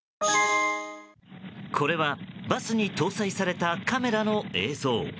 これは、バスに搭載されたカメラの映像。